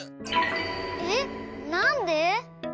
えっなんで？